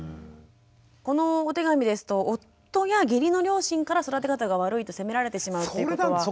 このお手紙ですと夫や義理の両親から育て方が悪いと責められてしまうということは。